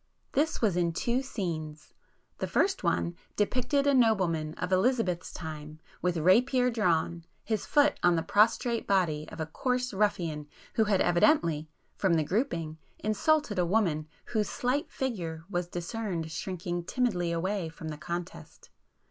This was in two scenes;—the first one depicted a nobleman of Elizabeth's time, with rapier drawn, his foot on the prostrate body of a coarse ruffian who had evidently, from the grouping, insulted a woman whose slight figure was discerned shrinking timidly away from the contest.